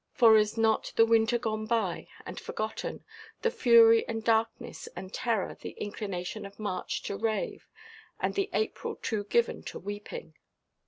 For is not the winter gone by, and forgotten, the fury and darkness and terror, the inclination of March to rave, and the April too given to weeping?